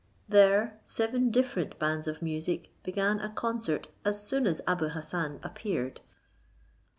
There seven different bands of music began a concert as soon as Abou Hassan appeared.